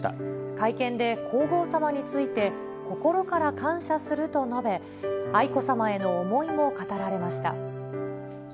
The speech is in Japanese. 会見で、皇后さまについて、心から感謝すると述べ、愛子さまへの思いも語られました。